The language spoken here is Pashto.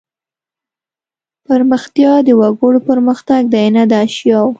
پرمختیا د وګړو پرمختګ دی نه د اشیاوو.